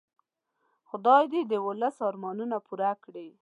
خدای دې د ولس ارمانونه پوره کړي.